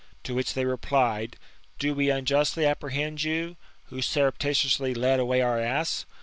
To which they replied: "Do we unjustly apprehend you, who surreptitiously lead away our ass